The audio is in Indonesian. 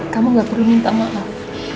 kamu gak perlu minta maaf